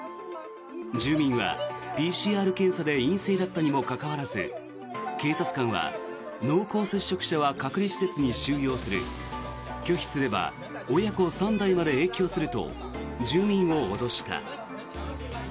住民はＰＣＲ検査で陰性だったにもかかわらず警察官は濃厚接触者は隔離施設に収容する拒否すれば親子３代まで影響すると住民を脅した。